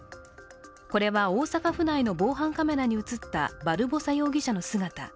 これは大阪府内の防犯カメラに映ったバルボサ容疑者の姿。